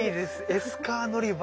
エスカー乗り場。